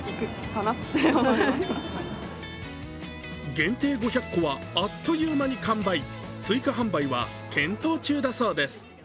限定５００個はあっという間に完売追加販売は検討中だそうです。